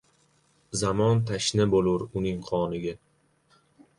Zamon tashna bo‘lur uning qoniga.